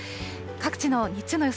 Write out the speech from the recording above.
各地の日中の予想